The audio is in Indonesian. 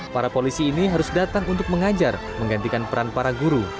para polisi ini harus datang untuk mengajar menggantikan peran para guru